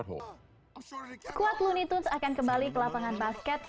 squad looney tunes akan kembali ke lapangan basket